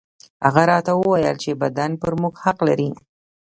هغه راته وويل چې بدن پر موږ حق لري.